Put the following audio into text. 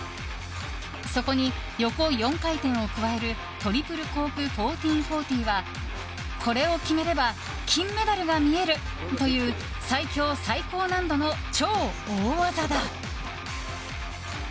そこに横４回転をくわえるトリプルコーク１４４０はこれを決めれば金メダルが見えるという最強・最高難度の超大技だ。